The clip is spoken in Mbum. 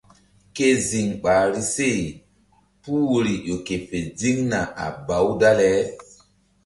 Ke ziŋ ɓahri se puh woyri ƴo ke fe ziŋna a baw dale.